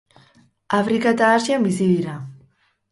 Afrika eta Asian bizi dira.